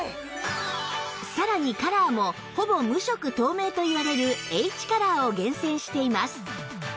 さらにカラーもほぼ無色透明といわれる Ｈ カラーを厳選しています